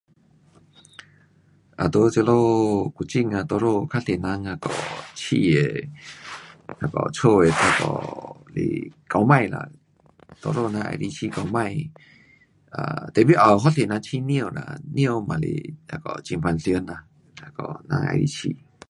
啊，在这里古晋啊，多数较多人啊养的，家的那个是狗霾啦，多数人喜欢养狗霾，啊，tapi 也有蛮多人养猫啦，猫也是那个很平常啦，那个人喜欢养。